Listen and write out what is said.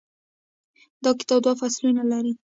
دا کتاب دوه فصلونه لري.